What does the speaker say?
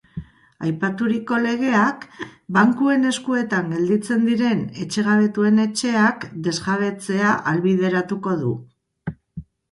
Aipaturiko legeak, bankuen eskuetan gelditzen diren etxegabetuen etxeak desjabetzea ahalbideratuko du.